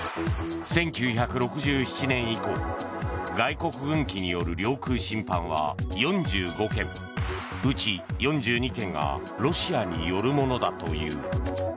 １９６７年以降外国軍機による領空侵犯は４５件うち４２件がロシアによるものだという。